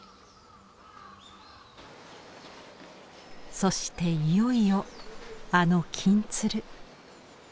そしていよいよあの金鶴。